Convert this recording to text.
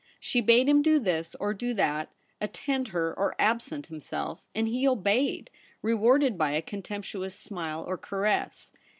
She bade him do this or do that ; attend her or absent him self, and he obeyed, rewarded by a contemp tuous smile or caress.